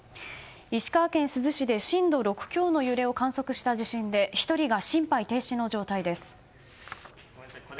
石川県珠洲市で震度６強の揺れを観測した地震で１人が心肺停止の状態です。